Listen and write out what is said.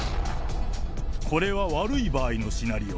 これは悪い場合のシナリオ。